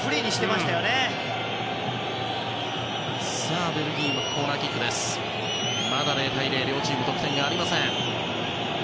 まだ０対０、両チーム得点がありません。